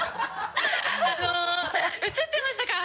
あの写ってましたか。